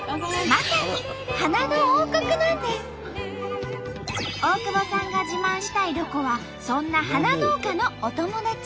まさに大久保さんが自慢したいロコはそんな花農家のお友達。